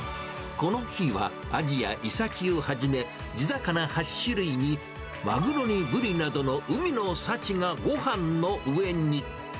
この日はアジやイサキをはじめ、地魚８種類に、マグロにブリなどの海の幸がごはんの上に。